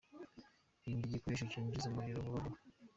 Irinde igikoresho cyinjiza umuriro vuba vuba .